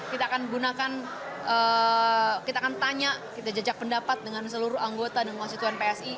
kita akan gunakan kita akan tanya kita jejak pendapat dengan seluruh anggota dan konstituen psi